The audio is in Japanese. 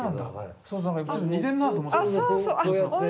似てるなと思って。